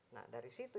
nah dari situ